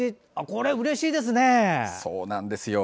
これはうれしいですね。